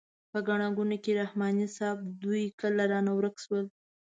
په ګڼه ګوڼه کې رحماني صیب دوی کله رانه ورک شول.